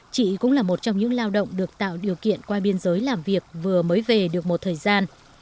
chị cũng là một trong những lao động được tạo điều kiện qua biên giới làm việc vừa mới về được một thời gian